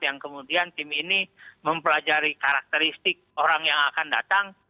yang kemudian tim ini mempelajari karakteristik orang yang akan datang